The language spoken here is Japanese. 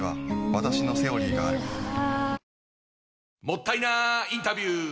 もったいなインタビュー！